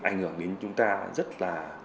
ảnh hưởng đến chúng ta rất là